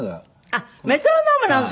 あっメトロノームなの？